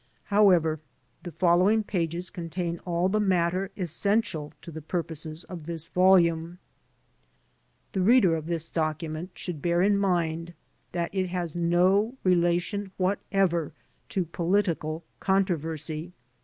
However, the following pages contain all the mat ter essential to the purposes of this volume. The reader of this document should bear in mind that it has no relation whatever to political controversy.